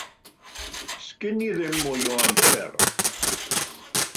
Sgin i ddim mwy o amser.